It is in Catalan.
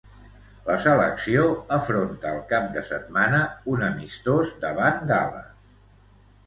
La selecció afronta el cap de setmana un amistós davant Gal·les.